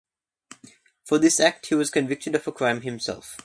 For this act he was convicted of a crime himself.